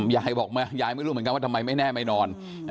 ยายบอกยายไม่รู้เหมือนกันว่าทำไมไม่แน่ไม่นอน